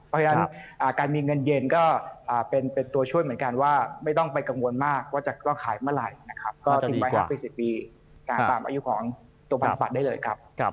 เพราะฉะนั้นการมีเงินเย็นก็เป็นตัวช่วยเหมือนกันว่าไม่ต้องไปกังวลมากว่าจะก็ขายเมื่อไหร่นะครับก็ทิ้งไว้๕๔๐ปีตามอายุของตัวพันธบัตรได้เลยครับ